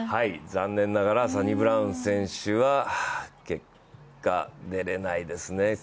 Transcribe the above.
残念ながらサニブラウン選手は今回でれないですね。